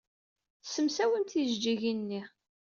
Tessemsawimt tijejjigin-nni.